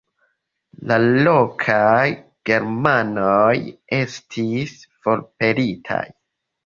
La lokaj germanoj estis forpelitaj.